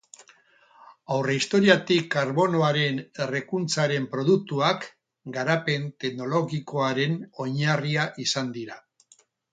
Aurrehistoriatik karbonoaren errekuntzaren produktuak, garapen teknologikoaren oinarria izan dira.